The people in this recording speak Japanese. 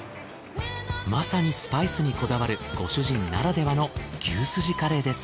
まさにスパイスにこだわるご主人ならではの牛スジカレーです。